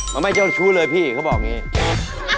มันไม่เจ้าชู้เลยพี่เขาบอกอย่างนี้